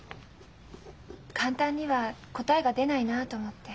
簡単には答えが出ないなと思って。